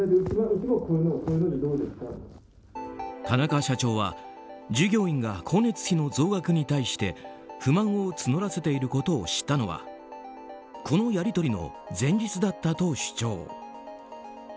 田中社長は従業員が光熱費の増額に対して不満を募らせていることを知ったのはこのやり取りの前日だったと主張。